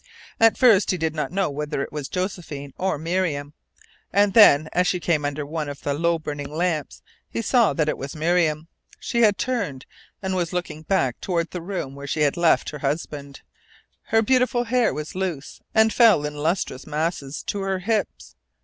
At first he did not know whether it was Josephine or Miriam. And then, as she came under one of the low burning lamps, he saw that it was Miriam. She had turned, and was looking back toward the room where she had left her husband. Her beautiful hair was loose, and fell in lustrous masses to her hips.